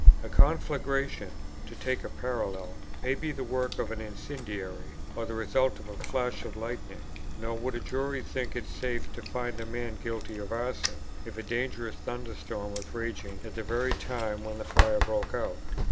A conflagration, to take a parallel, may be the work of an incendiary, or the result of a flash of lightning; nor would a jury think it safe to find a man guilty of arson, if a dangerous thunderstorm was raging at the very time when the fire broke out.